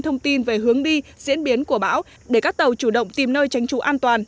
thông tin về hướng đi diễn biến của bão để các tàu chủ động tìm nơi tránh trú an toàn